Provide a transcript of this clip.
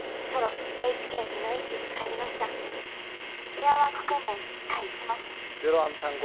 「エアワーク訓練開始します」。